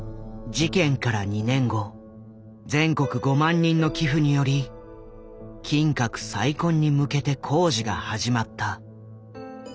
事件から２年後全国５万人の寄付により金閣再建に向けて工事が始まった。